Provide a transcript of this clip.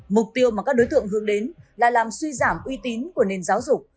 mục tiêu mà các đối tượng hướng đến là làm suy giảm uy tín của nền giáo dục